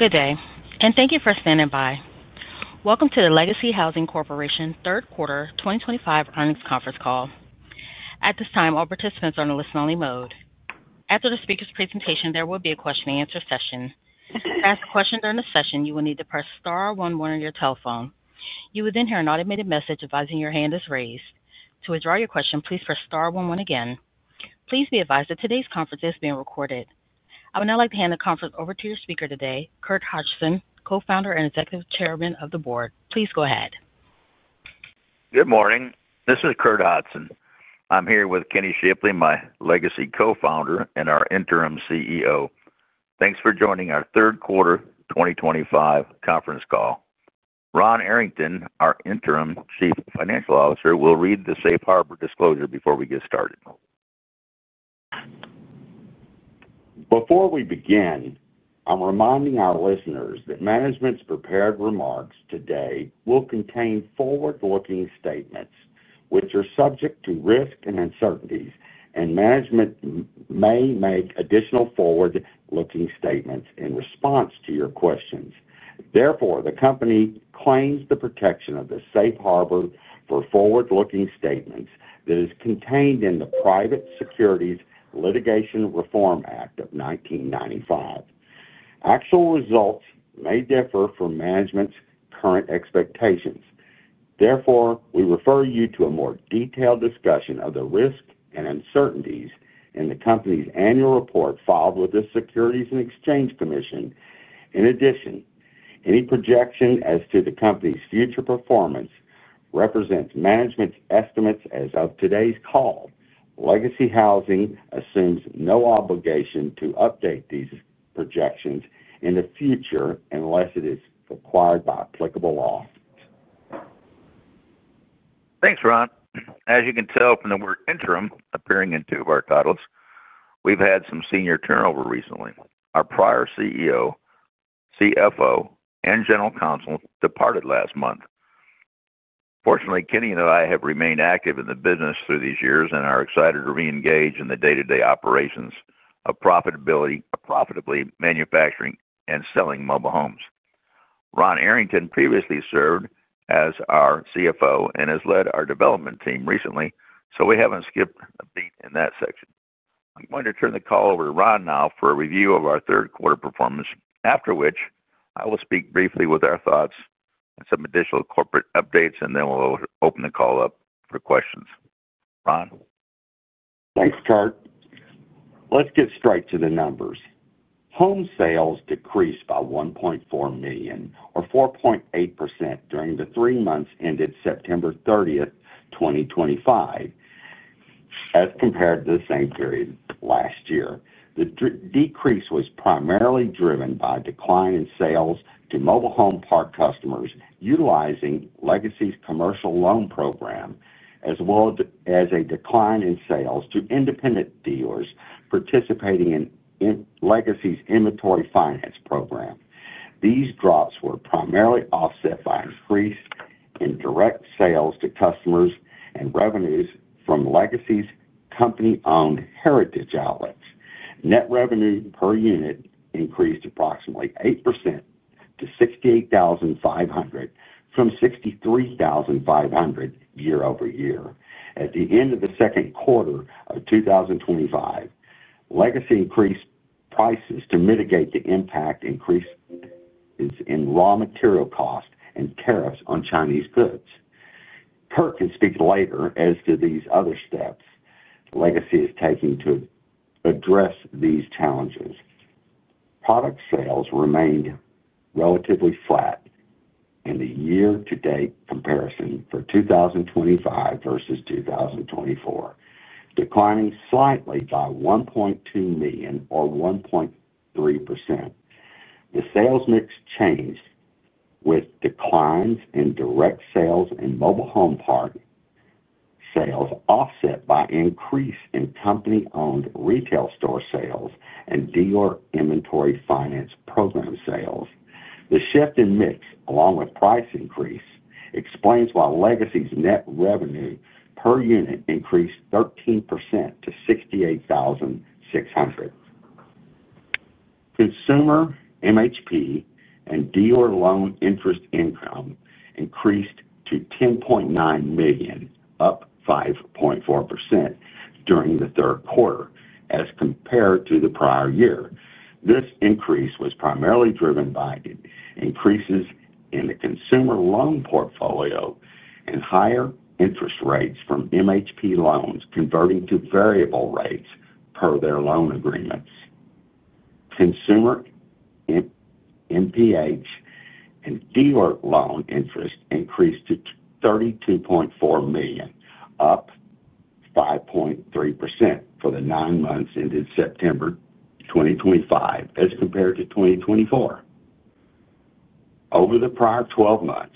Good day, and thank you for standing by. Welcome to the Legacy Housing Corporation third quarter 2025 earnings conference call. At this time, all participants are in a listen-only mode. After the speaker's presentation, there will be a question-and-answer session. To ask a question during the session, you will need to press star one one on your telephone. You will then hear an automated message advising your hand is raised. To withdraw your question, please press star one one again. Please be advised that today's conference is being recorded. I would now like to hand the conference over to your speaker today, Curt Hodgson, Co-Founder and Executive Chairman of the Board. Please go ahead. Good morning. This is Curt Hodgson. I'm here with Kenny Shipley, my Legacy Co-Founder and our Interim CEO. Thanks for joining our third quarter 2025 conference call. Ron Arrington, our Interim Chief Financial Officer, will read the Safe Harbor Disclosure before we get started. Before we begin, I'm reminding our listeners that management's prepared remarks today will contain forward-looking statements, which are subject to risk and uncertainties, and management may make additional forward-looking statements in response to your questions. Therefore, the company claims the protection of the Safe Harbor for forward-looking statements that is contained in the Private Securities Litigation Reform Act of 1995. Actual results may differ from management's current expectations. Therefore, we refer you to a more detailed discussion of the risk and uncertainties in the company's annual report filed with the U.S. Securities and Exchange Commission. In addition, any projection as to the company's future performance represents management's estimates as of today's call. Legacy Housing assumes no obligation to update these projections in the future unless it is required by applicable law. Thanks, Ron. As you can tell from the word "interim" appearing in two of our titles, we've had some senior turnover recently. Our prior CEO, CFO, and General Counsel departed last month. Fortunately, Kenny and I have remained active in the business through these years and are excited to re-engage in the day-to-day operations of profitably manufacturing and selling mobile homes. Ron Arrington previously served as our CFO and has led our development team recently, so we haven't skipped a beat in that section. I'm going to turn the call over to Ron now for a review of our third quarter performance, after which I will speak briefly with our thoughts and some additional corporate updates, and then we'll open the call up for questions. Ron? Thanks, Curt. Let's get straight to the numbers. Home sales decreased by $1.4 million, or 4.8%, during the three months ended September 30, 2025, as compared to the same period last year. The decrease was primarily driven by a decline in sales to mobile home park customers utilizing Legacy's commercial loan program, as well as a decline in sales to independent dealers participating in Legacy's inventory finance program. These drops were primarily offset by increased indirect sales to customers and revenues from Legacy's company-owned Heritage outlets. Net revenue per unit increased approximately 8% to $68,500, from $63,500 year over year. At the end of the second quarter of 2025, Legacy increased prices to mitigate the impact increases in raw material costs and tariffs on Chinese goods. Curt can speak later as to these other steps Legacy is taking to address these challenges. Product sales remained relatively flat in the year-to-date comparison for 2025 versus 2024, declining slightly by $1.2 million, or 1.3%. The sales mix changed with declines in direct sales and mobile home park sales offset by an increase in company-owned retail store sales and dealer inventory finance program sales. The shift in mix, along with price increase, explains why Legacy's net revenue per unit increased 13% to $68,600. Consumer MHP and dealer loan interest income increased to $10.9 million, up 5.4% during the third quarter as compared to the prior year. This increase was primarily driven by increases in the consumer loan portfolio and higher interest rates from MHP loans converting to variable rates per their loan agreements. Consumer MHP and dealer loan interest increased to $32.4 million, up 5.3% for the nine months ended September 2025, as compared to 2024. Over the prior 12 months,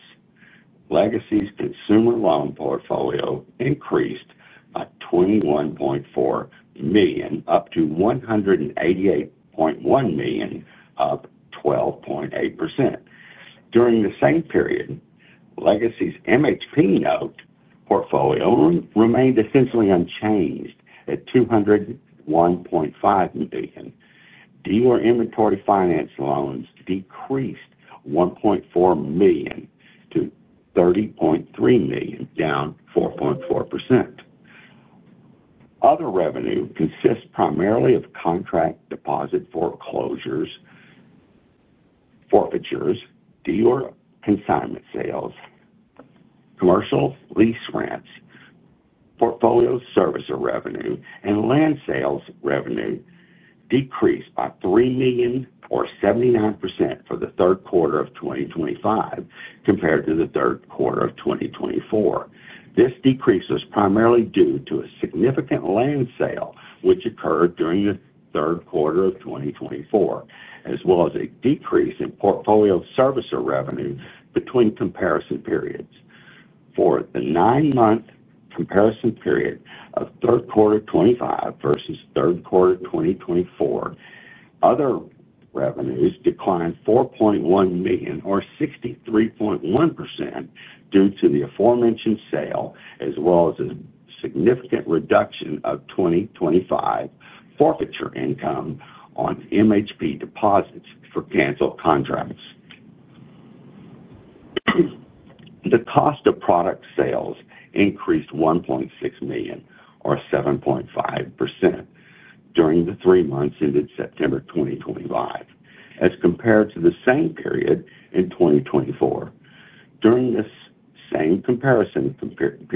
Legacy's consumer loan portfolio increased by $21.4 million, up to $188.1 million, up 12.8%. During the same period, Legacy's MHP note portfolio remained essentially unchanged at $201.5 million. Dealer inventory finance loans decreased $1.4 million to $30.3 million, down 4.4%. Other revenue consists primarily of contract deposit foreclosures, forfeitures, dealer consignment sales, commercial lease rents. Portfolio servicer revenue, and land sales revenue decreased by $3 million, or 79%, for the third quarter of 2025 compared to the third quarter of 2024. This decrease was primarily due to a significant land sale, which occurred during the third quarter of 2024, as well as a decrease in portfolio servicer revenue between comparison periods. For the nine-month comparison period of third quarter 2025 versus third quarter 2024, other revenues declined $4.1 million, or 63.1%, due to the aforementioned sale, as well as a significant reduction of 2025 forfeiture income on MHP deposits for canceled contracts. The cost of product sales increased $1.6 million, or 7.5%, during the three months ended September 2025, as compared to the same period in 2024. During this same comparison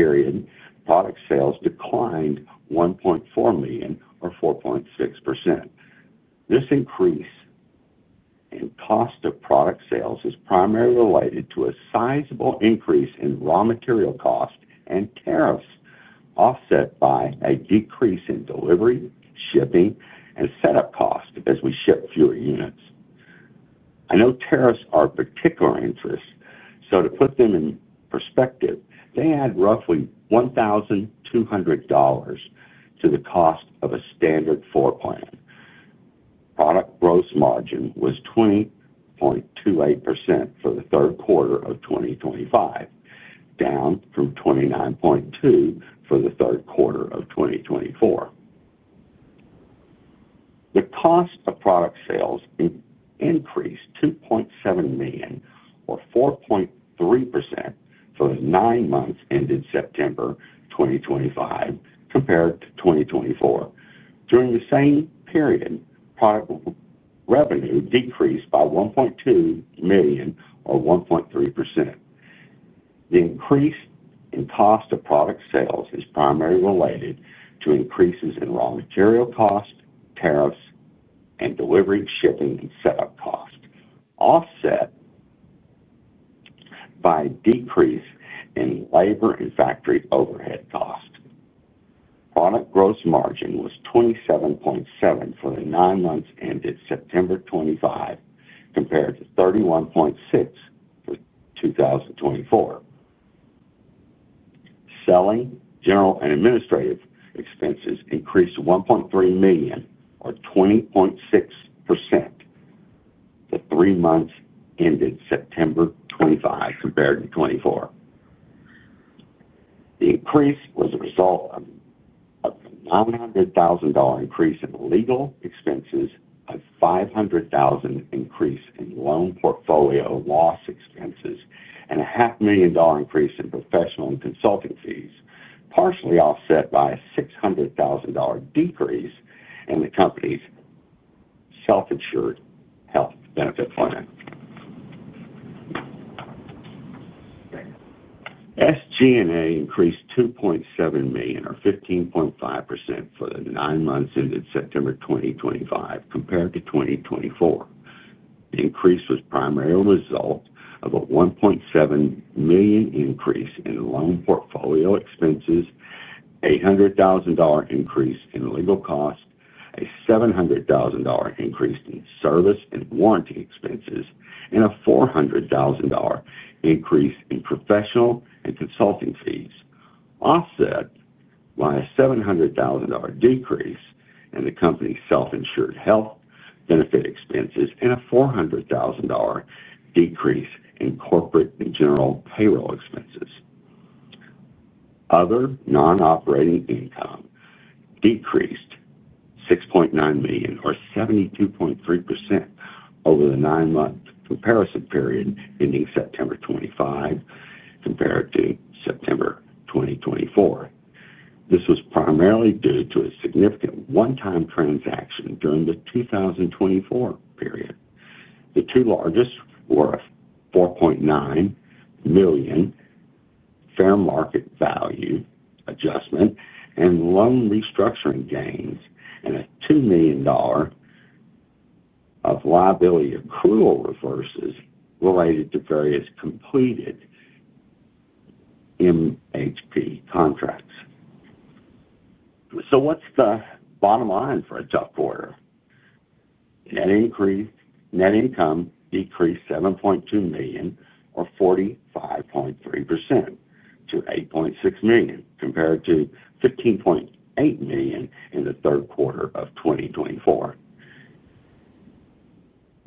period, product sales declined $1.4 million, or 4.6%. This increase in cost of product sales is primarily related to a sizable increase in raw material costs and tariffs, offset by a decrease in delivery, shipping, and setup costs as we ship fewer units. I know tariffs are a particular interest, so to put them in perspective, they add roughly $1,200 to the cost of a standard floor plan. Product gross margin was 20.28% for the third quarter of 2025, down from 29.2% for the third quarter of 2024. The cost of product sales increased $2.7 million, or 4.3%, for the nine months ended September 2025 compared to 2024. During the same period, product revenue decreased by $1.2 million, or 1.3%. The increase in cost of product sales is primarily related to increases in raw material costs, tariffs, and delivery, shipping, and setup costs, offset by a decrease in labor and factory overhead costs. Product gross margin was 27.7% for the nine months ended September 2025 compared to 31.6% for 2024. Selling, general, and administrative expenses increased $1.3 million, or 20.6%, for the three months ended September 2025 compared to 2024. The increase was a result of a $900,000 increase in legal expenses, a $500,000 increase in loan portfolio loss expenses, and a $500,000 increase in professional and consulting fees, partially offset by a $600,000 decrease in the company's self-insured health benefit plan. SG&A increased $2.7 million, or 15.5%, for the nine months ended September 2025 compared to 2024. The increase was primarily a result of a $1.7 million increase in loan portfolio expenses, an $800,000 increase in legal costs, a $700,000 increase in service and warranty expenses, and a $400,000 increase in professional and consulting fees, offset by a $700,000 decrease in the company's self-insured health benefit expenses and a $400,000 decrease in corporate and general payroll expenses. Other non-operating income decreased $6.9 million, or 72.3%, over the nine-month comparison period ending September 2025 compared to September 2024. This was primarily due to a significant one-time transaction during the 2024 period. The two largest were a $4.9 million fair market value adjustment and loan restructuring gains, and a $2 million of liability accrual reverses related to various completed MHP contracts. What's the bottom line for a tough quarter? Net income decreased $7.2 million, or 45.3%, to $8.6 million compared to $15.8 million in the third quarter of 2024.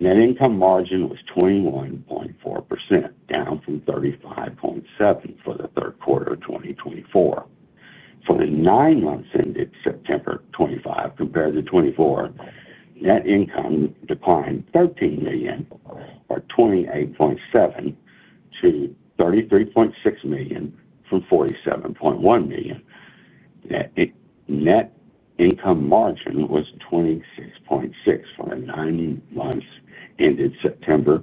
Net income margin was 21.4%, down from 35.7% for the third quarter of 2024. For the nine months ended September 2025 compared to 2024, net income declined $13 million, or 28.7%, to $33.6 million from $47.1 million. Net income margin was 26.6% for the nine months ended September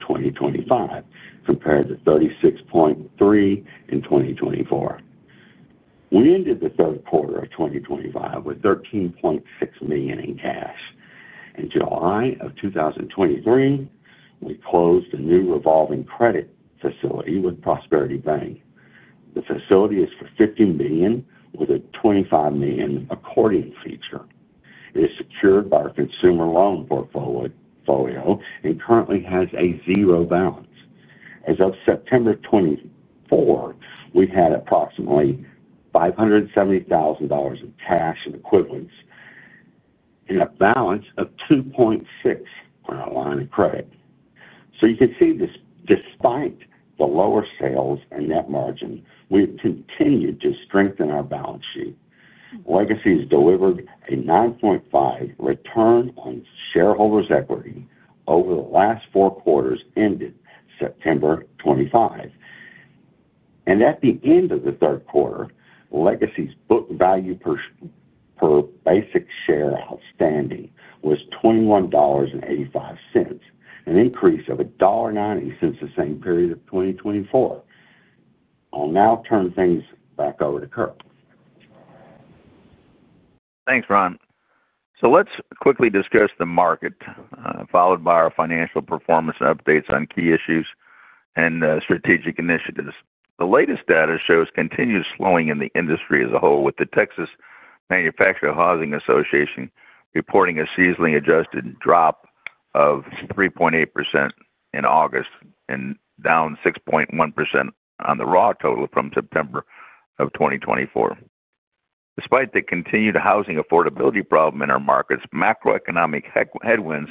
2025 compared to 36.3% in 2024. We ended the third quarter of 2025 with $13.6 million in cash. In July of 2023, we closed a new revolving credit facility with Prosperity Bank. The facility is for $50 million, with a $25 million accordion feature. It is secured by our consumer loan portfolio and currently has a zero balance. As of September 2024, we had approximately $570,000 in cash and equivalents and a balance of $2.6 million on our line of credit. You can see that despite the lower sales and net margin, we have continued to strengthen our balance sheet. Legacy has delivered a 9.5% return on shareholders' equity over the last four quarters ended September 2025. At the end of the third quarter, Legacy's book value per basic share outstanding was $21.85, an increase of $1.90 since the same period of 2024. I'll now turn things back over to Curt. Thanks, Ron. Let's quickly discuss the market, followed by our financial performance updates on key issues and strategic initiatives. The latest data shows continued slowing in the industry as a whole, with the Texas Manufactured Housing Association reporting a seasonally adjusted drop of 3.8% in August and down 6.1% on the raw total from September of 2024. Despite the continued housing affordability problem in our markets, macroeconomic headwinds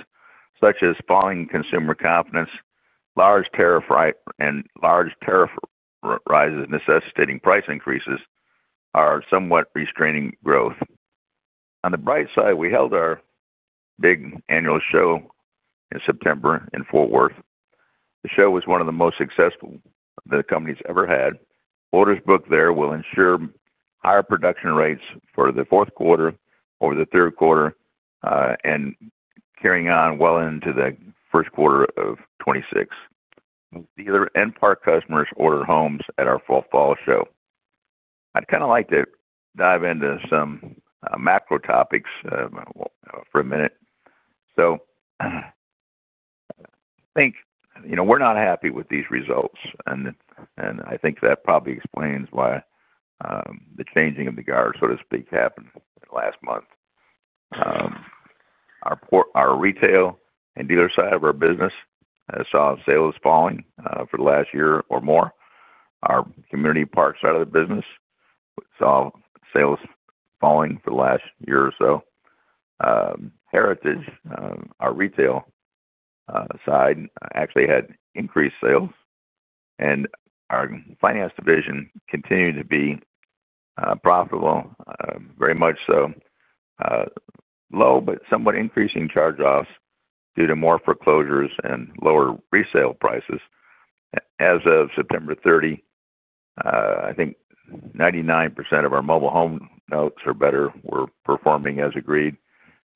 such as falling consumer confidence and large tariff rises necessitating price increases are somewhat restraining growth. On the bright side, we held our big annual show in September in Fort Worth. The show was one of the most successful the company has ever had. Orders booked there will ensure higher production rates for the fourth quarter over the third quarter and carrying on well into the first quarter of 2026. Dealer and park customers ordered homes at our fall show. I'd kind of like to dive into some macro topics for a minute. I think we're not happy with these results, and I think that probably explains why the changing of the guard, so to speak, happened last month. Our retail and dealer side of our business saw sales falling for the last year or more. Our community park side of the business saw sales falling for the last year or so. Heritage, our retail side, actually had increased sales, and our finance division continued to be profitable, very much so. Low but somewhat increasing charge-offs due to more foreclosures and lower resale prices. As of September 30, I think 99% of our mobile home notes were performing as agreed,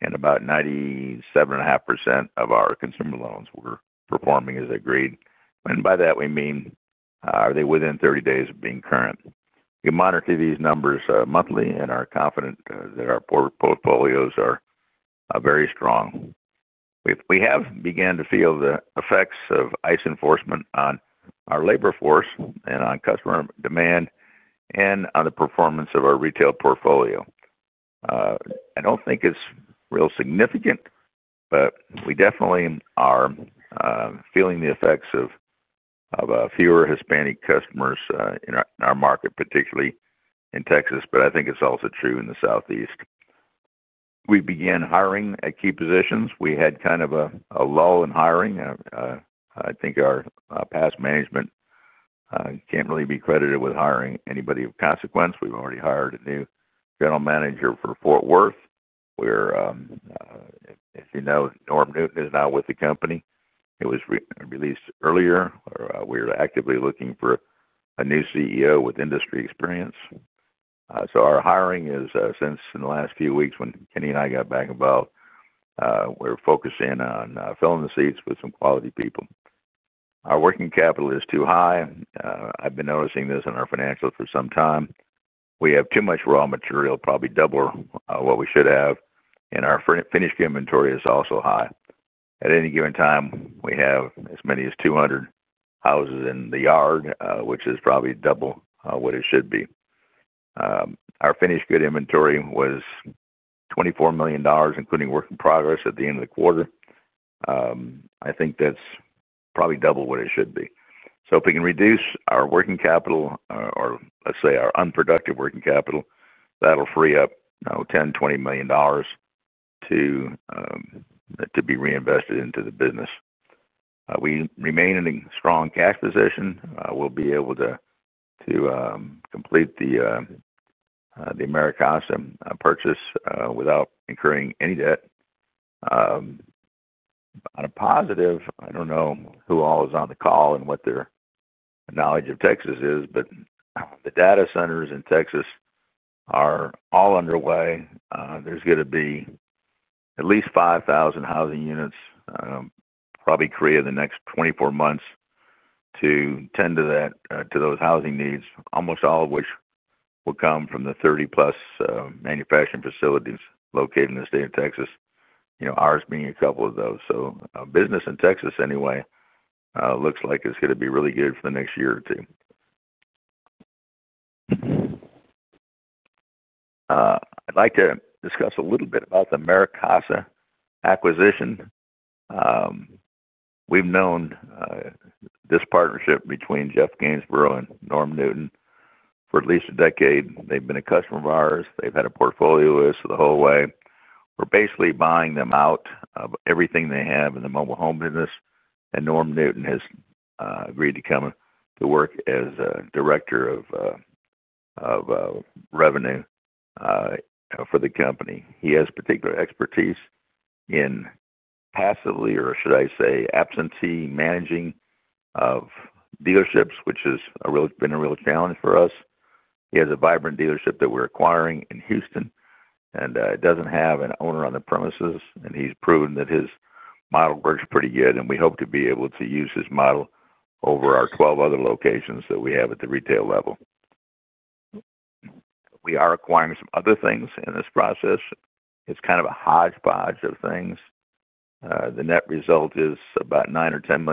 and about 97.5% of our consumer loans were performing as agreed. By that, we mean are they within 30 days of being current? We monitor these numbers monthly and are confident that our portfolios are very strong. We have begun to feel the effects of ICE enforcement on our labor force and on customer demand and on the performance of our retail portfolio. I do not think it is real significant, but we definitely are feeling the effects of fewer Hispanic customers in our market, particularly in Texas, but I think it is also true in the Southeast. We began hiring at key positions. We had kind of a lull in hiring. I think our past management cannot really be credited with hiring anybody of consequence. We have already hired a new general manager for Fort Worth. If you know, Norm Newton is now with the company. It was released earlier. We are actively looking for a new CEO with industry experience. Our hiring has since in the last few weeks when Kenny and I got back involved, we're focusing on filling the seats with some quality people. Our working capital is too high. I've been noticing this in our financials for some time. We have too much raw material, probably double what we should have, and our finished good inventory is also high. At any given time, we have as many as 200 houses in the yard, which is probably double what it should be. Our finished good inventory was $24 million, including work in progress at the end of the quarter. I think that's probably double what it should be. If we can reduce our working capital, or let's say our unproductive working capital, that'll free up, you know, $10 million-$20 million to be reinvested into the business. We remain in a strong cash position. We'll be able to complete the AmeriCasa purchase without incurring any debt. On a positive, I don't know who all is on the call and what their knowledge of Texas is, but the data centers in Texas are all underway. There's going to be at least 5,000 housing units, probably three in the next 24 months, to tend to those housing needs, almost all of which will come from the 30+ manufacturing facilities located in the state of Texas, you know, ours being a couple of those. Business in Texas anyway looks like it's going to be really good for the next year or two. I'd like to discuss a little bit about the AmeriCasa acquisition. We've known this partnership between Jeff Gainsborough and Norm Newton for at least a decade. They've been a customer of ours. They've had a portfolio with us the whole way. We're basically buying them out of everything they have in the mobile home business, and Norm Newton has agreed to come to work as Director of Revenue for the company. He has particular expertise in passively, or should I say absentee managing of dealerships, which has been a real challenge for us. He has a vibrant dealership that we're acquiring in Houston, and it doesn't have an owner on the premises, and he's proven that his model works pretty good, and we hope to be able to use his model over our 12 other locations that we have at the retail level. We are acquiring some other things in this process. It's kind of a hodgepodge of things. The net result is about $9 million or $10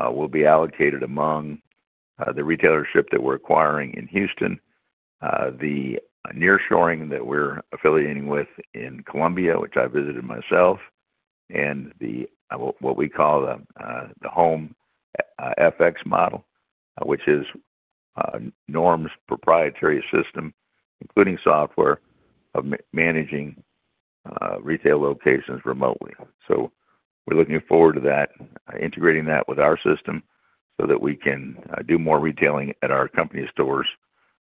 million will be allocated among the retail dealership that we're acquiring in Houston, the nearshoring that we're affiliating with in Colombia, which I visited myself, and what we call the Home X model, which is Norm's proprietary system, including software of managing retail locations remotely. We are looking forward to that, integrating that with our system so that we can do more retailing at our company stores.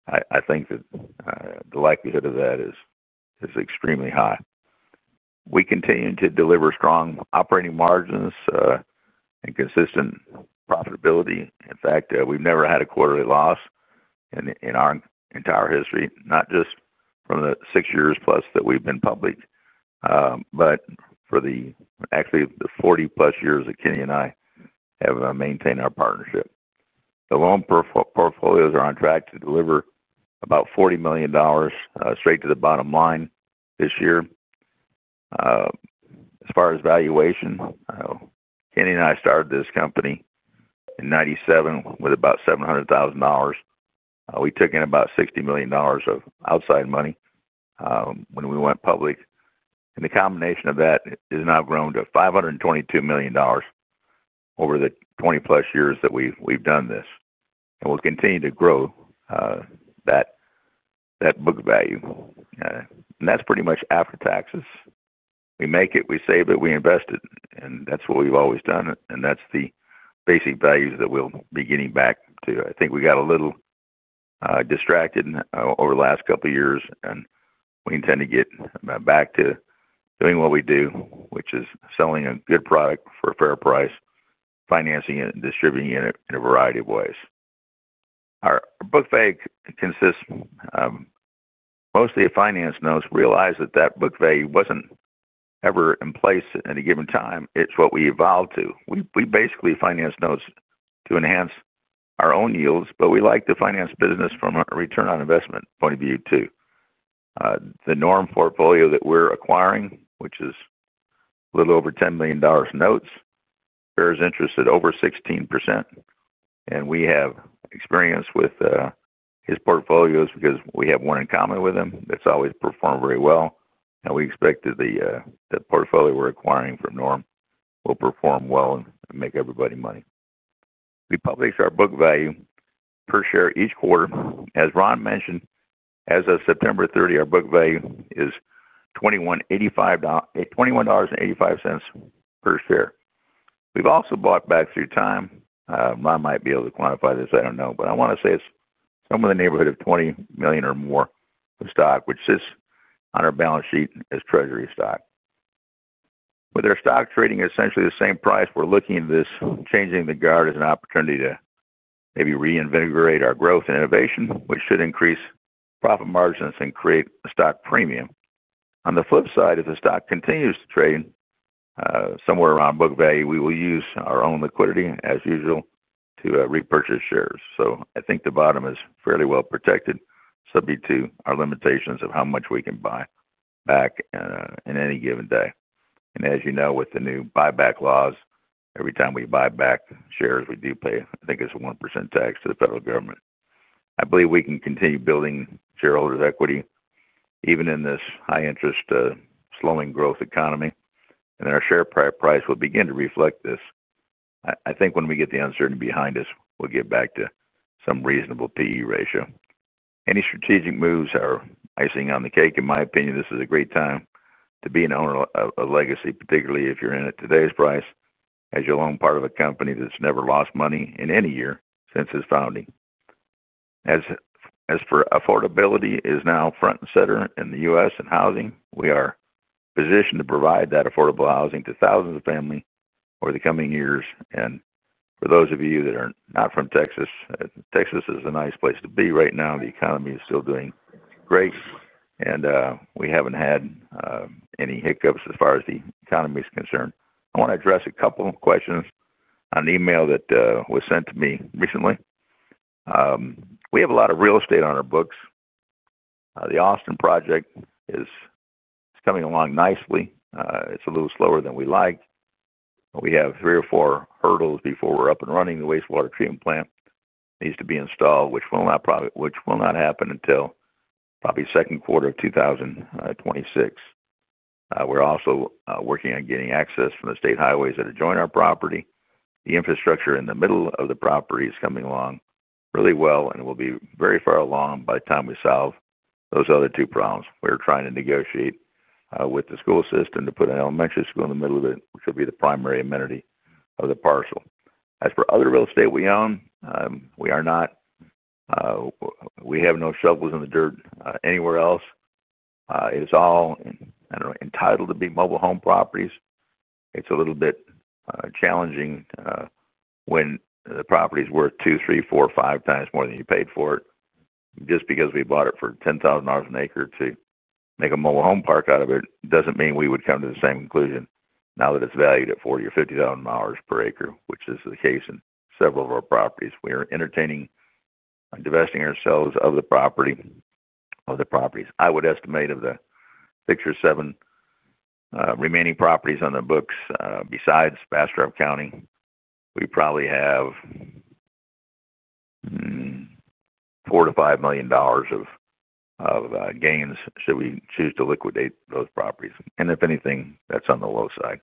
I think that the likelihood of that is extremely high. We continue to deliver strong operating margins and consistent profitability. In fact, we've never had a quarterly loss in our entire history, not just from the six years plus that we've been public, but for actually the 40+ years that Kenny and I have maintained our partnership. The loan portfolios are on track to deliver about $40 million straight to the bottom line this year. As far as valuation, Kenny and I started this company in 1997 with about $700,000. We took in about $60 million of outside money when we went public. The combination of that has now grown to $522 million over the 20+ years that we have done this. We will continue to grow that book value. That is pretty much after taxes. We make it, we save it, we invest it, and that is what we have always done. That is the basic values that we will be getting back to. I think we got a little distracted over the last couple of years, and we intend to get back to doing what we do, which is selling a good product for a fair price, financing it, and distributing it in a variety of ways. Our book value consists mostly of finance notes. Realize that that book value was not ever in place at a given time. It is what we evolved to. We basically finance notes to enhance our own yields, but we like to finance business from a return on investment point of view too. The Norm portfolio that we are acquiring, which is a little over $10 million notes, bears interest at over 16%. We have experience with his portfolios because we have one in common with him that has always performed very well. We expect that the portfolio we are acquiring from Norm will perform well and make everybody money. We publish our book value per share each quarter. As Ron mentioned, as of September 30, our book value is $21.85 per share. We have also bought back through time. Ron might be able to quantify this. I do not know. I want to say it's somewhere in the neighborhood of $20 million or more of stock, which sits on our balance sheet as treasury stock. With our stock trading at essentially the same price, we're looking at this changing the guard as an opportunity to maybe reinvigorate our growth and innovation, which should increase profit margins and create a stock premium. On the flip side, if the stock continues to trade somewhere around book value, we will use our own liquidity as usual to repurchase shares. I think the bottom is fairly well protected, subject to our limitations of how much we can buy back in any given day. As you know, with the new buyback laws, every time we buy back shares, we do pay, I think it's a 1% tax to the federal government. I believe we can continue building shareholders' equity even in this high-interest, slowing growth economy. Our share price will begin to reflect this. I think when we get the uncertainty behind us, we'll get back to some reasonable P/E ratio. Any strategic moves are icing on the cake. In my opinion, this is a great time to be an owner of Legacy, particularly if you're in at today's price as you're long part of a company that's never lost money in any year since its founding. As for affordability, it is now front and center in the U.S. in housing. We are positioned to provide that affordable housing to thousands of families over the coming years. For those of you that are not from Texas, Texas is a nice place to be right now. The economy is still doing great, and we haven't had any hiccups as far as the economy is concerned. I want to address a couple of questions on an email that was sent to me recently. We have a lot of real estate on our books. The Austin project is coming along nicely. It's a little slower than we like. We have three or four hurdles before we're up and running. The wastewater treatment plant needs to be installed, which will not happen until probably second quarter of 2026. We're also working on getting access from the state highways that adjoin our property. The infrastructure in the middle of the property is coming along really well, and we'll be very far along by the time we solve those other two problems. We're trying to negotiate with the school system to put an elementary school in the middle of it, which will be the primary amenity of the parcel. As for other real estate we own, we have no shovels in the dirt anywhere else. It is all entitled to be mobile home properties. It's a little bit challenging when the properties were two, three, four, five times more than you paid for it. Just because we bought it for $10,000 an acre to make a mobile home park out of it doesn't mean we would come to the same conclusion now that it's valued at $40,000 or $50,000 per acre, which is the case in several of our properties. We are entertaining divesting ourselves of the property. I would estimate of the picture seven remaining properties on the books. Besides Bastrop County, we probably have $4 million-$5 million of gains should we choose to liquidate those properties. If anything, that is on the low side.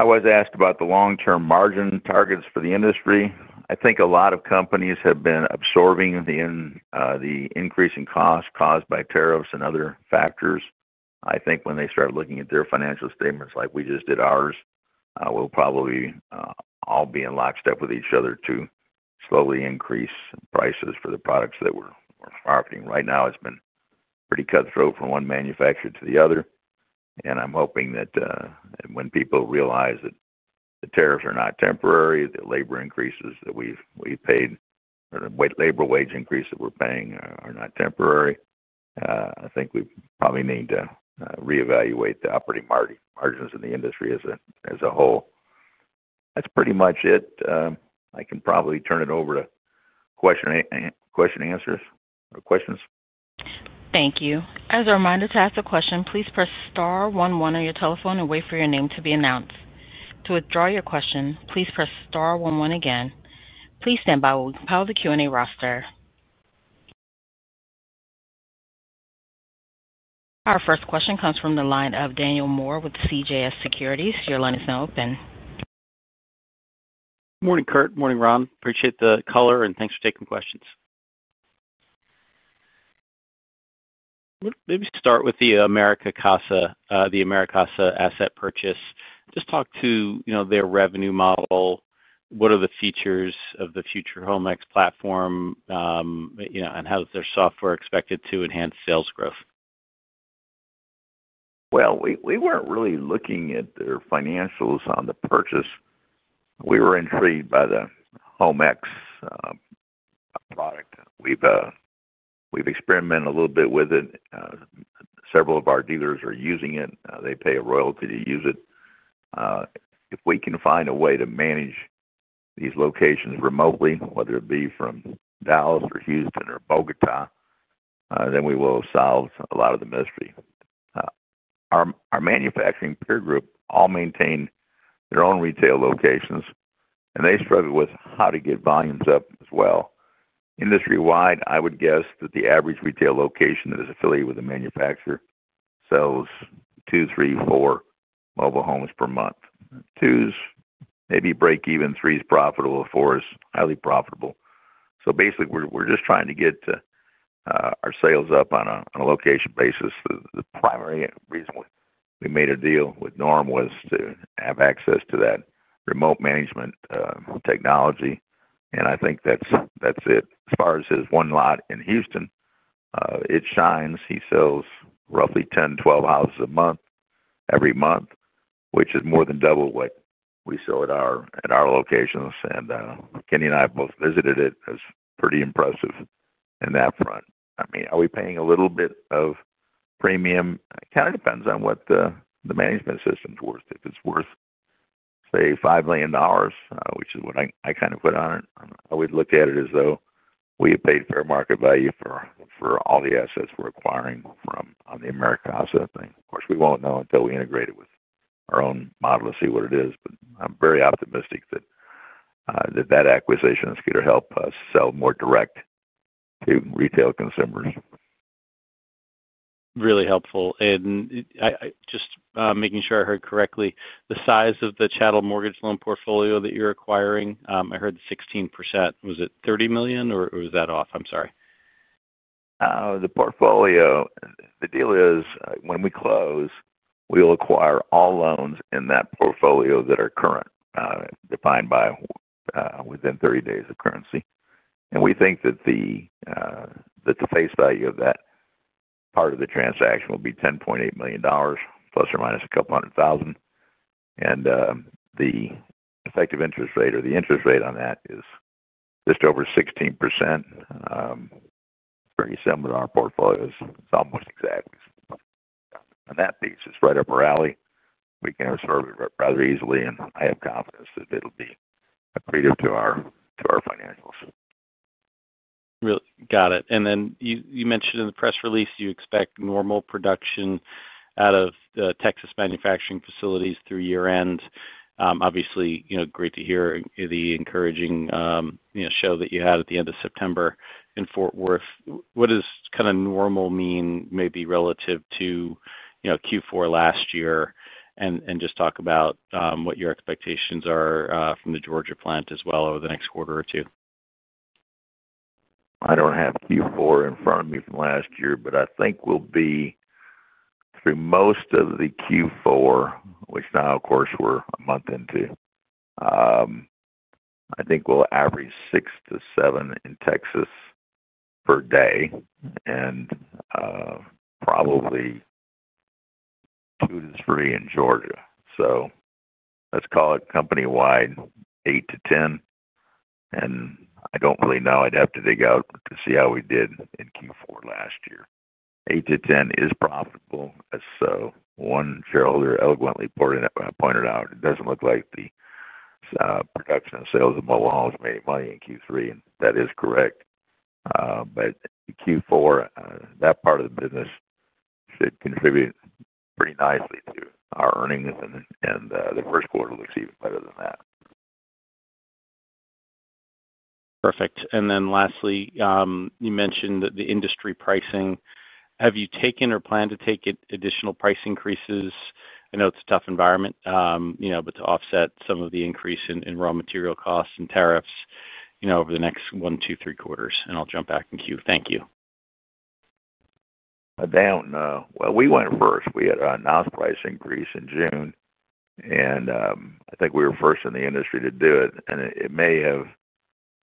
I was asked about the long-term margin targets for the industry. I think a lot of companies have been absorbing the increase in cost caused by tariffs and other factors. I think when they start looking at their financial statements like we just did ours, we will probably all be in lockstep with each other to slowly increase prices for the products that we are marketing. Right now, it has been pretty cutthroat from one manufacturer to the other. I am hoping that when people realize that the tariffs are not temporary, the labor increases that we have paid, the labor wage increase that we are paying are not temporary. I think we probably need to reevaluate the operating margins of the industry as a whole. That's pretty much it. I can probably turn it over to question answers or questions. Thank you. As a reminder to ask a question, please press star one one on your telephone and wait for your name to be announced. To withdraw your question, please press star one one again. Please stand by while we compile the Q&A roster. Our first question comes from the line of Daniel Moore with CJS Securities. Your line is now open. Good morning, Curt. Morning, Ron. Appreciate the color and thanks for taking questions. Maybe start with the AmeriCasa, the AmeriCasa asset purchase. Just talk to their revenue model. What are the features of the future HomeX platform, and how is their software expected to enhance sales growth? We were not really looking at their financials on the purchase. We were intrigued by the Home X product. We've experimented a little bit with it. Several of our dealers are using it. They pay a royalty to use it. If we can find a way to manage these locations remotely, whether it be from Dallas or Houston or Bogotá, then we will solve a lot of the mystery. Our manufacturing peer group all maintain their own retail locations, and they struggle with how to get volumes up as well. Industry-wide, I would guess that the average retail location that is affiliated with a manufacturer sells two, three, four mobile homes per month. Two is maybe break even, three is profitable, four is highly profitable. Basically, we are just trying to get our sales up on a location basis. The primary reason we made a deal with Norm was to have access to that remote management technology. I think that is it. As far as his one lot in Houston, it shines. He sells roughly 10-12 houses a month every month, which is more than double what we sell at our locations. Kenny and I have both visited it. It's pretty impressive in that front. I mean, are we paying a little bit of premium? It kind of depends on what the management system's worth. If it's worth, say, $5 million, which is what I kind of put on it, I would look at it as though we had paid fair market value for all the assets we're acquiring from AmeriCasa. Of course, we won't know until we integrate it with our own model to see what it is. I am very optimistic that that acquisition is going to help us sell more direct to retail consumers. Really helpful. Just making sure I heard correctly, the size of the chattel mortgage loan portfolio that you're acquiring, I heard 16%. Was it $30 million or was that off? I'm sorry. The portfolio, the deal is when we close, we'll acquire all loans in that portfolio that are current, defined by within 30 days of currency. We think that the face value of that part of the transaction will be $10.8 million, plus or minus a couple hundred thousand. The effective interest rate or the interest rate on that is just over 16%. Very similar to our portfolio, it's almost exactly on that piece. It's right up our alley. We can absorb it rather easily. I have confidence that it'll be accretive to our financials. Got it. You mentioned in the press release you expect normal production out of Texas manufacturing facilities through year-end. Obviously, great to hear the encouraging show that you had at the end of September in Fort Worth. What does kind of normal mean maybe relative to Q4 last year? Just talk about what your expectations are from the Georgia plant as well over the next quarter or two. I do not have Q4 in front of me from last year, but I think we will be through most of the Q4, which now, of course, we are a month into. I think we will average 6-7 in Texas per day and probably 2-3 in Georgia. Let's call it company-wide 8-10. I do not really know. I would have to dig out to see how we did in Q4 last year. 8-10 is profitable as so. One shareholder eloquently pointed out, "It doesn't look like the production of sales of mobile homes made money in Q3." That is correct. Q4, that part of the business should contribute pretty nicely to our earnings. The first quarter looks even better than that. Perfect. Lastly, you mentioned the industry pricing. Have you taken or plan to take additional price increases? I know it's a tough environment, but to offset some of the increase in raw material costs and tariffs over the next one, two, three quarters. I'll jump back in queue. Thank you. I don't know. We went first. We had a non-price increase in June. I think we were first in the industry to do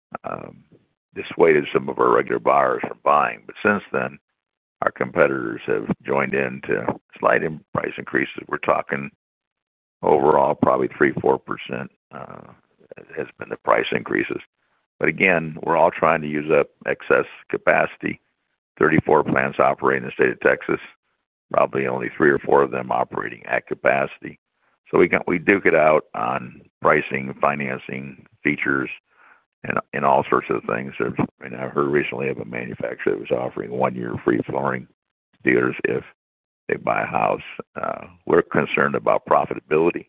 it. It may have dissuaded some of our regular buyers from buying. Since then, our competitors have joined in to slight price increases. We're talking overall probably 3%-4% has been the price increases. Again, we're all trying to use up excess capacity. 34 plants operate in the state of Texas. Probably only three or four of them operating at capacity. We duke it out on pricing, financing, features, and all sorts of things. I heard recently of a manufacturer that was offering one-year free flooring to dealers if they buy a house. We're concerned about profitability.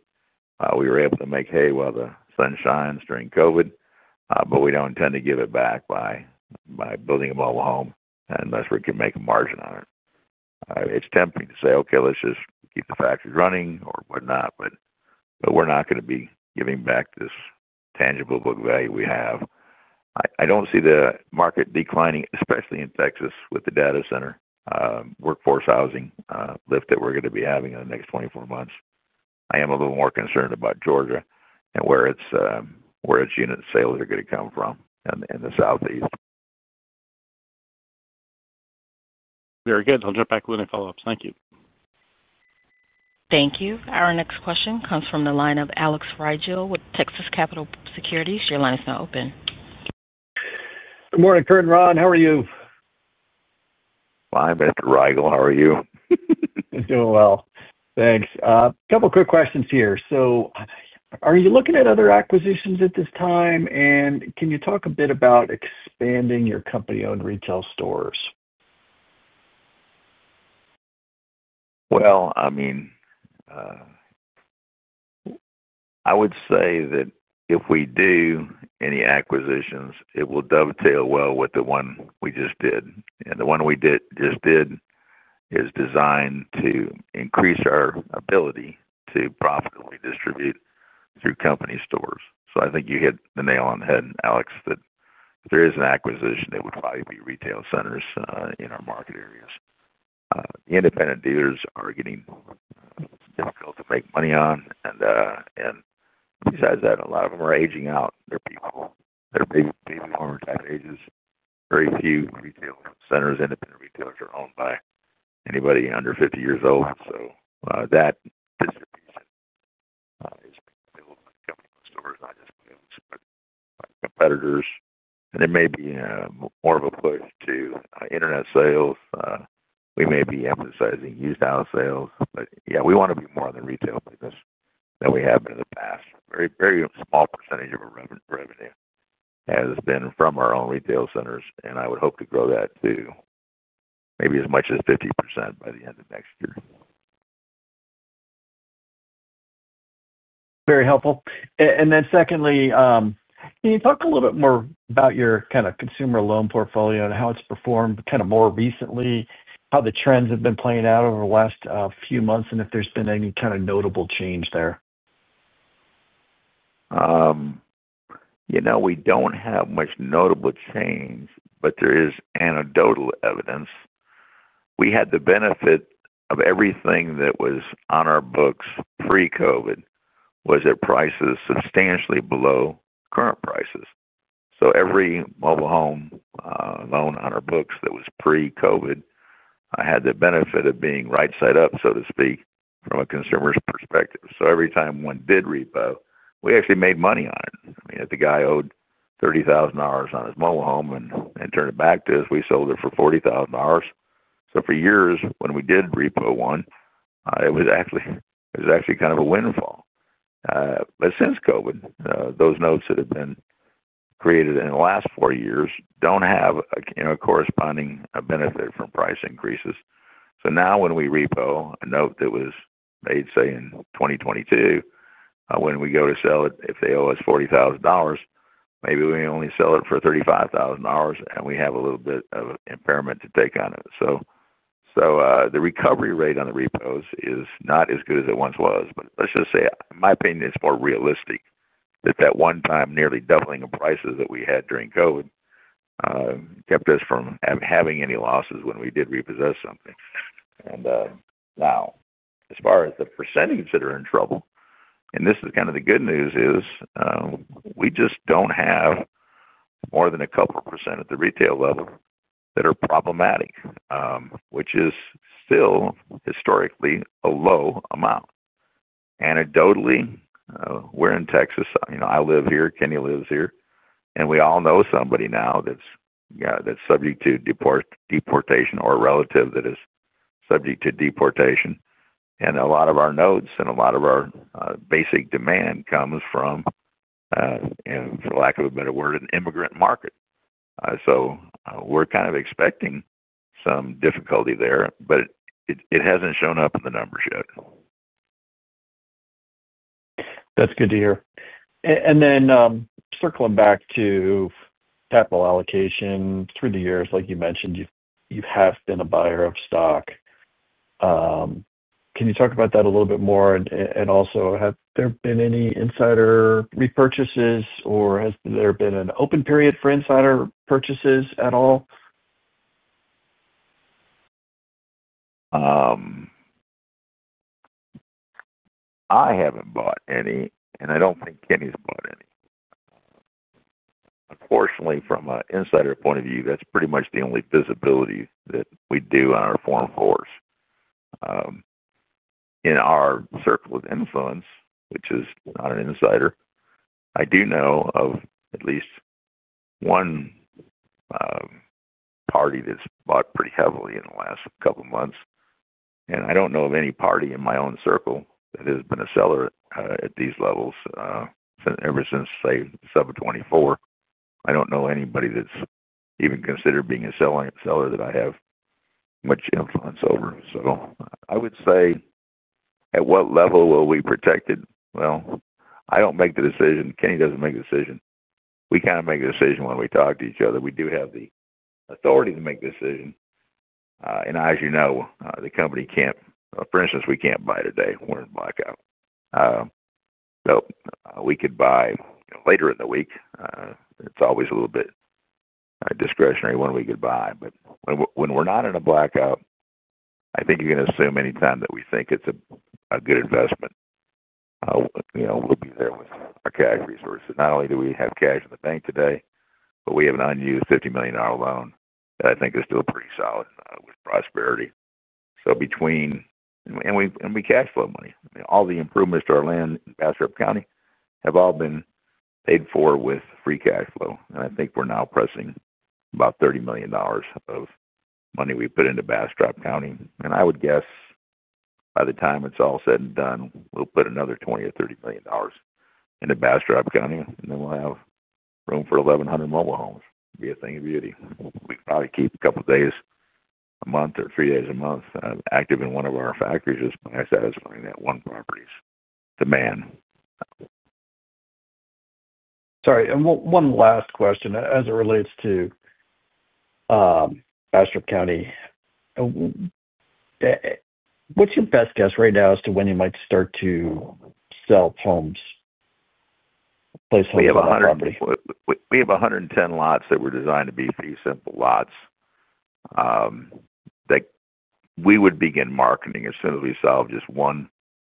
We were able to make hay while the sun shines during COVID. We don't intend to give it back by building a mobile home unless we can make a margin on it. It's tempting to say, "Okay, let's just keep the factories running or whatnot." We're not going to be giving back this tangible book value we have. I don't see the market declining, especially in Texas with the data center workforce housing lift that we're going to be having in the next 24 months. I am a little more concerned about Georgia and where its unit sales are going to come from in the Southeast. Very good. I'll jump back with any follow-ups. Thank you. Thank you. Our next question comes from the line of Alex Rygiel with Texas Capital Securities. Your line is now open. Good morning, Curt. Ron, how are you? Fine, Mr. Rygiel. How are you? Doing well. Thanks. A couple of quick questions here. Are you looking at other acquisitions at this time? Can you talk a bit about expanding your company-owned retail stores? I would say that if we do any acquisitions, it will dovetail well with the one we just did. The one we just did is designed to increase our ability to profitably distribute through company stores. I think you hit the nail on the head, Alex, that if there is an acquisition, it would probably be retail centers in our market areas. Independent dealers are getting difficult to make money on. Besides that, a lot of them are aging out. They are people that are maybe former tech ages. Very few retail centers, independent retailers, are owned by anybody under 50 years old. That distribution is a little bit coming from stores, not just from the competitors. There may be more of a push to internet sales. We may be emphasizing used out sales. Yeah, we want to be more in the retail business than we have been in the past. A very small percentage of our revenue has been from our own retail centers. I would hope to grow that to maybe as much as 50% by the end of next year. Very helpful. Secondly, can you talk a little bit more about your kind of consumer loan portfolio and how it's performed kind of more recently, how the trends have been playing out over the last few months, and if there's been any kind of notable change there? We do not have much notable change, but there is anecdotal evidence. We had the benefit of everything that was on our books pre-COVID was at prices substantially below current prices. Every mobile home loan on our books that was pre-COVID had the benefit of being right-side up, so to speak, from a consumer's perspective. Every time one did repo, we actually made money on it. I mean, if the guy owed $30,000 on his mobile home and turned it back to us, we sold it for $40,000. For years, when we did repo one, it was actually kind of a windfall. Since COVID, those notes that have been created in the last four years do not have a corresponding benefit from price increases. Now when we repo a note that was made, say, in 2022, when we go to sell it, if they owe us $40,000, maybe we only sell it for $35,000, and we have a little bit of impairment to take on it. The recovery rate on the repos is not as good as it once was. In my opinion, it is more realistic that that one-time nearly doubling of prices that we had during COVID kept us from having any losses when we did repossess something. Now, as far as the percentages that are in trouble, and this is kind of the good news, we just do not have more than a couple percent at the retail level that are problematic, which is still historically a low amount. Anecdotally, we are in Texas. I live here. Kenny lives here. We all know somebody now that is subject to deportation or a relative that is subject to deportation. A lot of our notes and a lot of our basic demand comes from, for lack of a better word, an immigrant market. We are kind of expecting some difficulty there, but it has not shown up in the numbers yet. That is good to hear. Circling back to capital allocation through the years, like you mentioned, you have been a buyer of stock. Can you talk about that a little bit more? Have there been any insider repurchases, or has there been an open period for insider purchases at all? I have not bought any, and I do not think Kenny has bought any. Unfortunately, from an insider point of view, that is pretty much the only visibility that we do on our foreign force in our circle of influence, which is not an insider. I do know of at least one party that has bought pretty heavily in the last couple of months. I do not know of any party in my own circle that has been a seller at these levels ever since, say, July 2024. I do not know anybody that has even considered being a seller that I have much influence over. At what level will we be protected? I do not make the decision. Kenny does not make the decision. We kind of make the decision when we talk to each other. We do have the authority to make the decision. As you know, the company can't—for instance, we can't buy today. We're in blackout. We could buy later in the week. It's always a little bit discretionary when we could buy. When we're not in a blackout, I think you can assume anytime that we think it's a good investment, we'll be there with our cash resources. Not only do we have cash in the bank today, but we have an unused $50 million loan that I think is still pretty solid with Prosperity. Between that and we cash flow money. All the improvements to our land in Bastrop County have all been paid for with free cash flow. I think we're now pressing about $30 million of money we put into Bastrop County. I would guess by the time it's all said and done, we'll put another $20 million or $30 million into Bastrop County. Then we'll have room for 1,100 mobile homes. It'll be a thing of beauty. We'll probably keep a couple of days a month or three days a month active in one of our factories just by satisfying that one property's demand. Sorry. One last question as it relates to Bastrop County. What's your best guess right now as to when you might start to sell homes, place homes on property? We have 110 lots that were designed to be fee simple lots that we would begin marketing as soon as we solve just one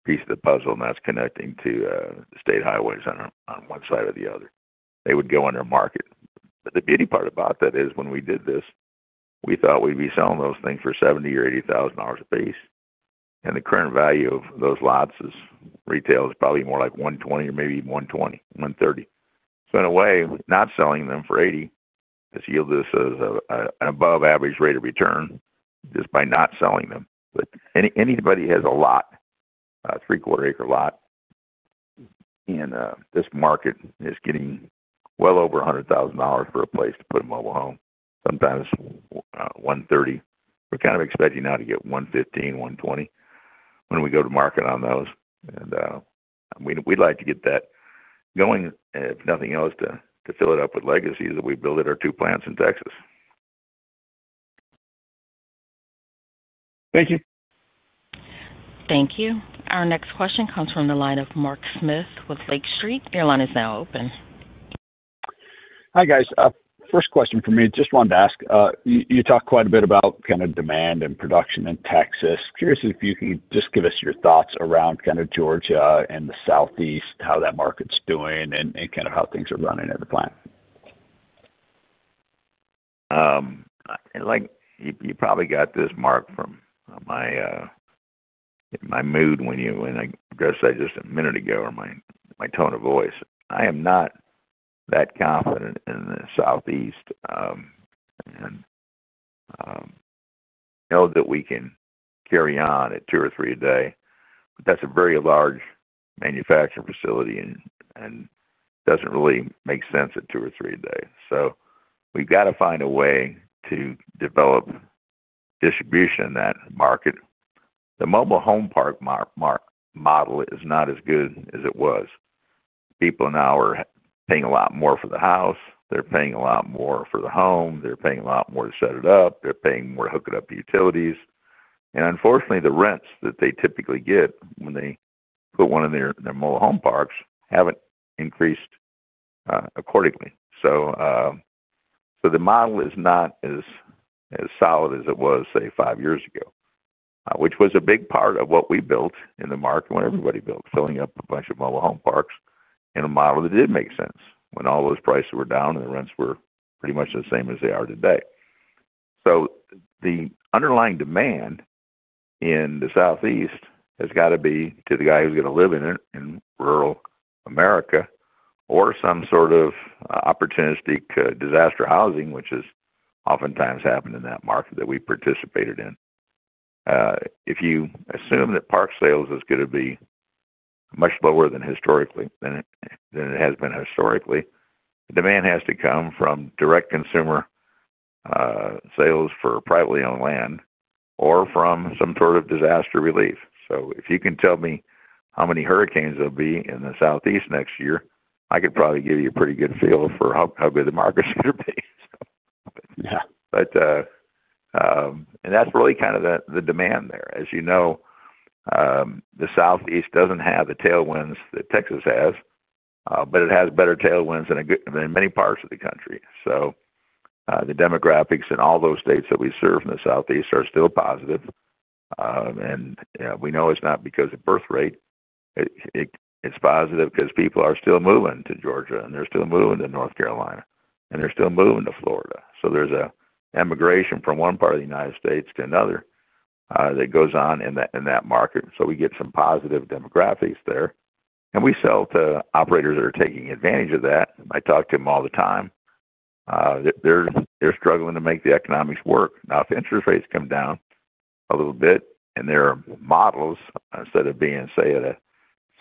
piece of the puzzle, and that's connecting to the state highways on one side or the other. They would go under market. The beauty part about that is when we did this, we thought we'd be selling those things for $70,000 or $80,000 apiece. The current value of those lots retail is probably more like $120,000 or maybe $120,000-$130,000. In a way, not selling them for $80,000 has yielded us an above-average rate of return just by not selling them. Anybody has a lot, a three quarter-acre lot in this market, that's getting well over $100,000 for a place to put a mobile home, sometimes $130,000. We are kind of expecting now to get $115,000-$120,000 when we go to market on those. We would like to get that going, if nothing else, to fill it up with legacies that we have built at our two plants in Texas. Thank you. Thank you. Our next question comes from the line of Mark Smith with Lake Street. Your line is now open. Hi, guys. First question for me, just wanted to ask, you talked quite a bit about kind of demand and production in Texas. Curious if you can just give us your thoughts around kind of Georgia and the Southeast, how that market's doing, and kind of how things are running at the plant. You probably got this, Mark, from my mood when I addressed that just a minute ago or my tone of voice. I am not that confident in the Southeast. And I know that we can carry on at two or three a day, but that's a very large manufacturing facility and does not really make sense at two or three a day. We have got to find a way to develop distribution in that market. The mobile home park model is not as good as it was. People now are paying a lot more for the house. They're paying a lot more for the home. They're paying a lot more to set it up. They're paying more to hook it up to utilities. Unfortunately, the rents that they typically get when they put one in their mobile home parks haven't increased accordingly. The model is not as solid as it was, say, five years ago, which was a big part of what we built in the market when everybody built filling up a bunch of mobile home parks in a model that did make sense when all those prices were down and the rents were pretty much the same as they are today. The underlying demand in the Southeast has got to be to the guy who's going to live in it in rural America or some sort of opportunistic disaster housing, which has oftentimes happened in that market that we participated in. If you assume that park sales is going to be much lower than it has been historically, the demand has to come from direct consumer sales for privately owned land or from some sort of disaster relief. If you can tell me how many hurricanes there will be in the Southeast next year, I could probably give you a pretty good feel for how good the market's going to be. That's really kind of the demand there. As you know, the Southeast doesn't have the tailwinds that Texas has, but it has better tailwinds than many parts of the country. The demographics in all those states that we serve in the Southeast are still positive. We know it's not because of birth rate. It's positive because people are still moving to Georgia, and they're still moving to North Carolina, and they're still moving to Florida. There's an immigration from one part of the United States to another that goes on in that market. We get some positive demographics there. We sell to operators that are taking advantage of that. I talk to them all the time. They're struggling to make the economics work. Now, if interest rates come down a little bit and their models, instead of being, say, at a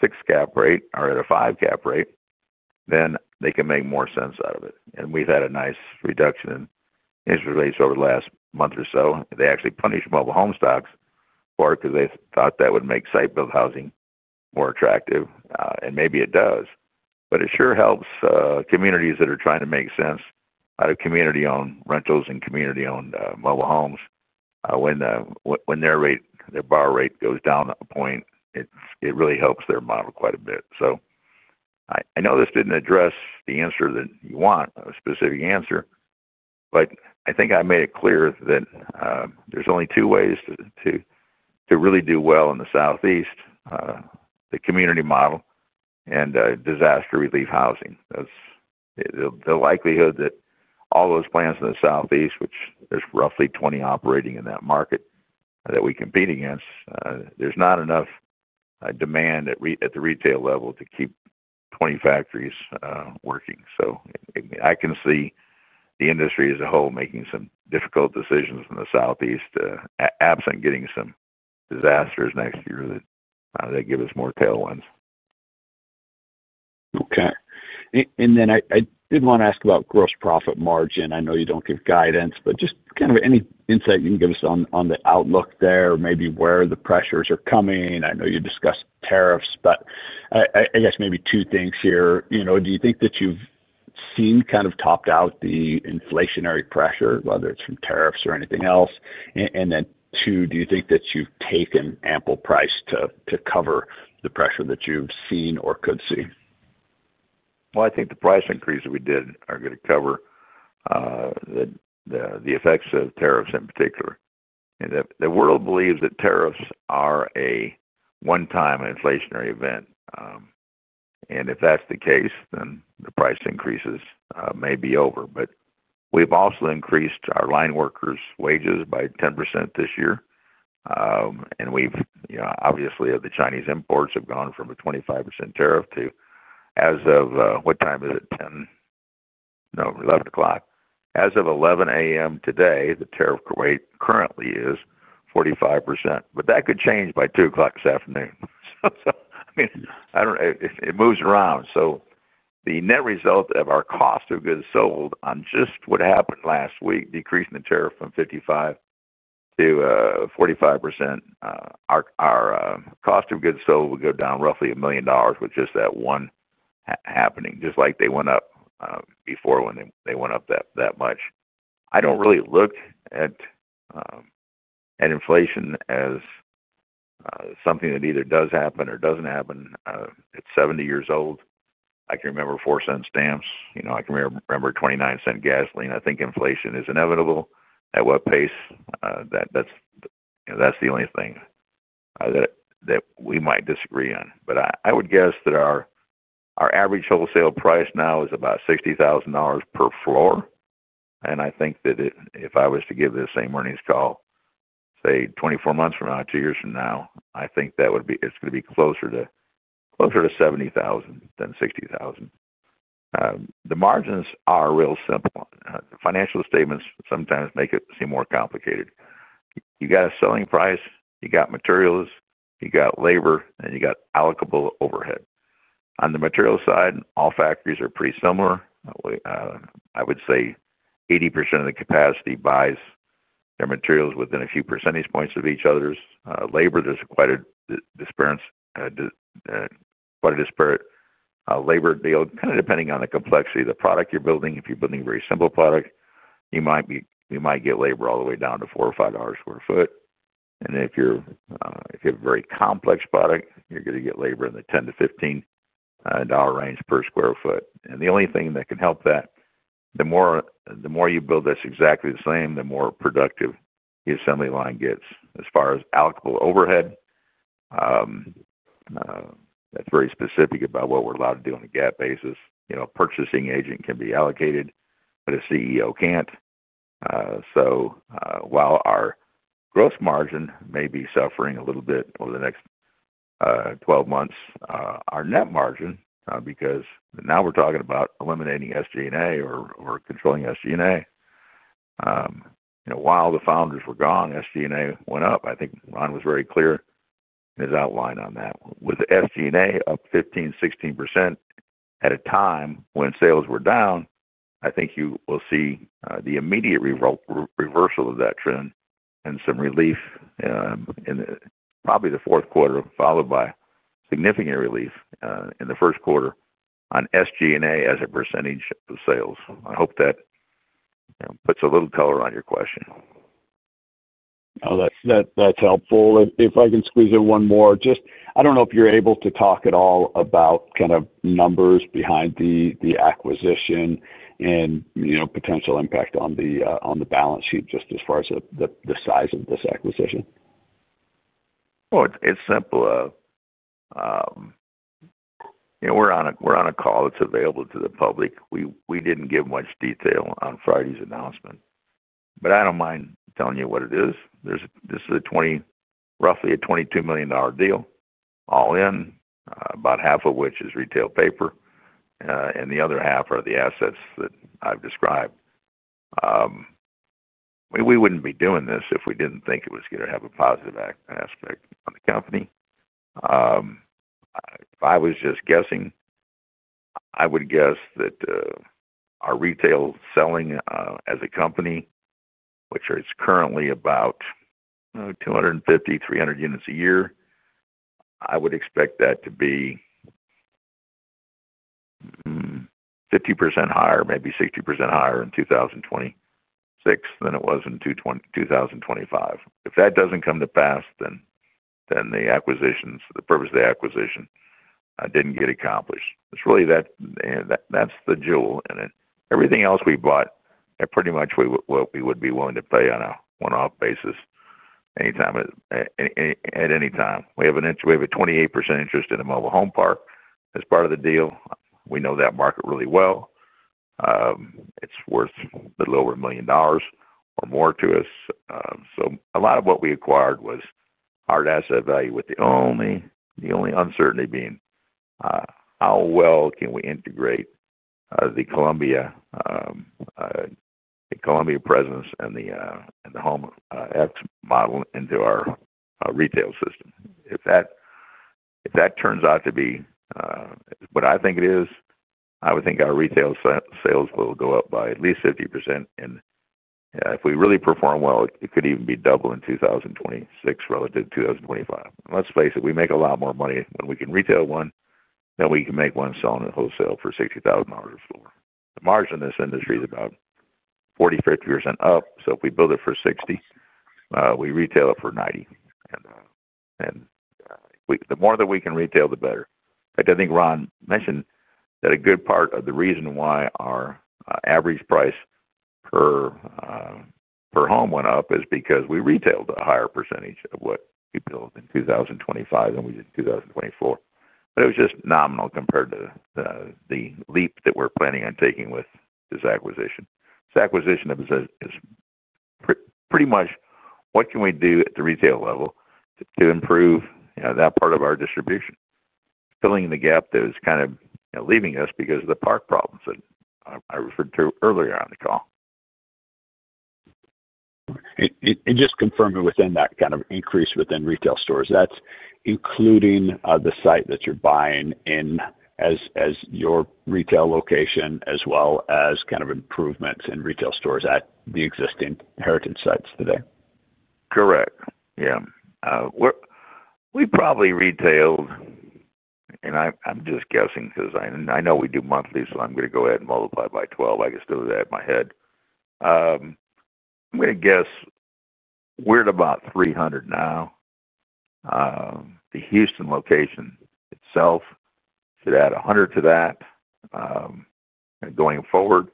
six-cap rate or at a five-cap rate, then they can make more sense out of it. We've had a nice reduction in interest rates over the last month or so. They actually punished mobile home stocks for it because they thought that would make site-built housing more attractive. Maybe it does. It sure helps communities that are trying to make sense out of community-owned rentals and community-owned mobile homes. When their bar rate goes down a point, it really helps their model quite a bit. I know this did not address the answer that you want, a specific answer, but I think I made it clear that there are only two ways to really do well in the Southeast: the community model and disaster relief housing. The likelihood that all those plants in the Southeast, which there are roughly 20 operating in that market that we compete against, there is not enough demand at the retail level to keep 20 factories working. I can see the industry as a whole making some difficult decisions in the Southeast absent getting some disasters next year that give us more tailwinds. Okay. I did want to ask about gross profit margin. I know you do not give guidance, but just kind of any insight you can give us on the outlook there, maybe where the pressures are coming. I know you discussed tariffs, but I guess maybe two things here. Do you think that you have seen kind of topped out the inflationary pressure, whether it is from tariffs or anything else? Then, do you think that you have taken ample price to cover the pressure that you have seen or could see? I think the price increase that we did are going to cover the effects of tariffs in particular. The world believes that tariffs are a one-time inflationary event. If that's the case, then the price increases may be over. We've also increased our line workers' wages by 10% this year. Obviously, the Chinese imports have gone from a 25% tariff to, as of what time is it? 10:00, no, 11:00. As of 11:00 A.M. today, the tariff rate currently is 45%. That could change by 2:00 P.M. this afternoon. I mean, it moves around. The net result of our cost of goods sold on just what happened last week, decreasing the tariff from 55% to 45%, our cost of goods sold would go down roughly $1 million with just that one happening, just like they went up before when they went up that much. I don't really look at inflation as something that either does happen or doesn't happen. It's 70 years old. I can remember $0.04 stamps. I can remember $0.29 gasoline. I think inflation is inevitable at what pace. That's the only thing that we might disagree on. I would guess that our average wholesale price now is about $60,000 per floor. I think that if I was to give this same earnings call, say, 24 months from now, two years from now, I think that it's going to be closer to $70,000 than $60,000. The margins are real simple. Financial statements sometimes make it seem more complicated. You got a selling price, you got materials, you got labor, and you got allocable overhead. On the materials side, all factories are pretty similar. I would say 80% of the capacity buys their materials within a few percentage points of each other's. Labor, there's quite a disparate labor deal, kind of depending on the complexity of the product you're building. If you're building a very simple product, you might get labor all the way down to $4 or $5 per sq ft. If you have a very complex product, you're going to get labor in the $10-$15 range per sq ft. The only thing that can help that, the more you build this exactly the same, the more productive the assembly line gets as far as allocable overhead. That is very specific about what we're allowed to do on a GAAP basis. A purchasing agent can be allocated, but a CEO can't. While our gross margin may be suffering a little bit over the next 12 months, our net margin, because now we're talking about eliminating SG&A or controlling SG&A, while the founders were gone, SG&A went up. I think Ron was very clear in his outline on that. With SG&A up 15%-16% at a time when sales were down, I think you will see the immediate reversal of that trend and some relief in probably the fourth quarter, followed by significant relief in the first quarter on SG&A as a percentage of sales. I hope that puts a little color on your question. No, that's helpful. If I can squeeze in one more, just I don't know if you're able to talk at all about kind of numbers behind the acquisition and potential impact on the balance sheet just as far as the size of this acquisition. It's simple. We're on a call that's available to the public. We didn't give much detail on Friday's announcement, but I don't mind telling you what it is. This is roughly a $22 million deal, all in, about half of which is retail paper, and the other half are the assets that I've described. We wouldn't be doing this if we didn't think it was going to have a positive aspect on the company. If I was just guessing, I would guess that our retail selling as a company, which is currently about 250-300 units a year, I would expect that to be 50% higher, maybe 60% higher in 2026 than it was in 2025. If that doesn't come to pass, then the purpose of the acquisition didn't get accomplished. It's really that's the jewel. Everything else we bought, pretty much what we would be willing to pay on a one-off basis at any time. We have a 28% interest in a mobile home park as part of the deal. We know that market really well. It's worth a little over $1 million or more to us. A lot of what we acquired was hard asset value, with the only uncertainty being how well can we integrate the Colombia presence and the Home X model into our retail system. If that turns out to be what I think it is, I would think our retail sales will go up by at least 50%. If we really perform well, it could even be double in 2026 relative to 2025. Let's face it, we make a lot more money when we can retail one than we can make one selling at wholesale for $60,000 a floor. The margin in this industry is about 40%-50% up. If we build it for $60,000, we retail it for $90,000. The more that we can retail, the better. I think Ron mentioned that a good part of the reason why our average price per home went up is because we retailed a higher percentage of what we built in 2025 than we did in 2024. It was just nominal compared to the leap that we are planning on taking with this acquisition. This acquisition is pretty much what can we do at the retail level to improve that part of our distribution, filling the gap that is kind of leaving us because of the park problems that I referred to earlier on the call. Just confirming within that kind of increase within retail stores, that is including the site that you are buying in as your retail location, as well as improvements in retail stores at the existing Heritage sites today. Correct. Yeah. We probably retailed, and I'm just guessing because I know we do monthly, so I'm going to go ahead and multiply by 12. I can still do that in my head. I'm going to guess we're at about 300 now. The Houston location itself should add 100 to that going forward.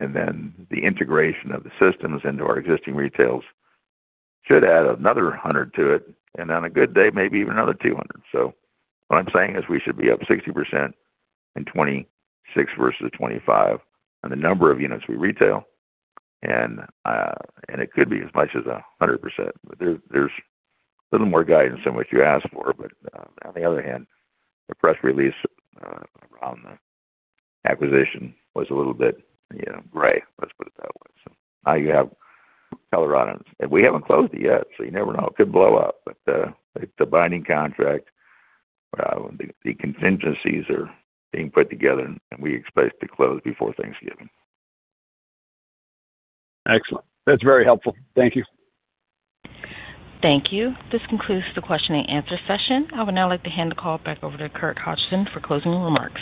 The integration of the systems into our existing retails should add another 100 to it. On a good day, maybe even another 200. What I'm saying is we should be up 60% in 2026 versus 2025 on the number of units we retail. It could be as much as 100%. There's a little more guidance than what you asked for. On the other hand, the press release around the acquisition was a little bit gray, let's put it that way. Now you have Colorado, and we have not closed it yet, so you never know. It could blow up. The binding contract, the contingencies are being put together, and we expect to close before Thanksgiving. Excellent. That is very helpful. Thank you. Thank you. This concludes the question-and-answer session. I would now like to hand the call back over to Curt Hodgson for closing remarks.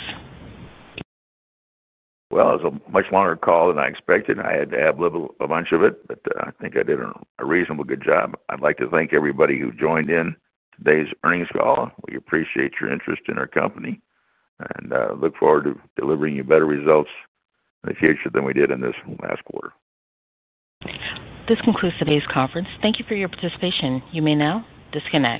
It was a much longer call than I expected. I had to able a bunch of it, but I think I did a reasonably good job. I would like to thank everybody who joined in today's earnings call. We appreciate your interest in our company and look forward to delivering you better results in the future than we did in this last quarter. This concludes today's conference. Thank you for your participation. You may now disconnect.